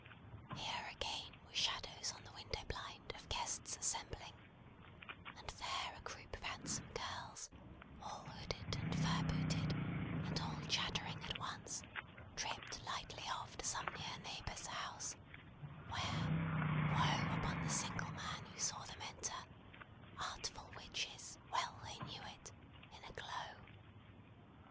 Here, again, were shadows on the window blind of guests assembling; and there a group of handsome girls, all hooded and fur booted, and all chattering at once, tripped lightly off to some near neighbour's house; where, woe upon the single man who saw them enter artful witches, well they knew it in a glow!